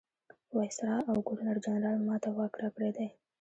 وایسرا او ګورنرجنرال ما ته واک راکړی دی.